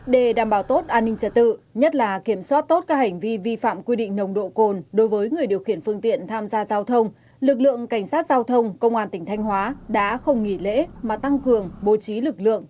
để đảm bảo tốt an ninh trật tự nhất là kiểm soát tốt các hành vi vi phạm quy định nồng độ cồn đối với người điều khiển phương tiện tham gia giao thông lực lượng cảnh sát giao thông công an tỉnh thanh hóa đã không nghỉ lễ mà tăng cường bố trí lực lượng